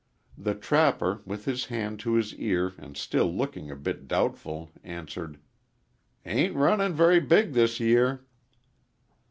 The trapper, with his hand to his ear and still looking a bit doubtful, answered, "Ain't runnin' very big this year."